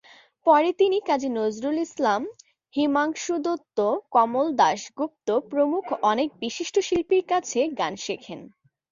পরে তিনি কাজী নজরুল ইসলাম, হিমাংশু দত্ত, কমল দাশগুপ্ত প্রমুখ অনেক বিশিষ্ট শিল্পীর কাছে গান শেখেন।